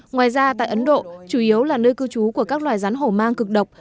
ngoài ra tại ấn độ chủ yếu là nơi cư trú của các loài rắn hổ mang cực độc